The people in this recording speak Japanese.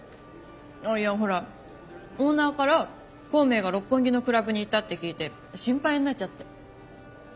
あっいやほらオーナーから孔明が六本木のクラブに行ったって聞いて心配になっちゃって。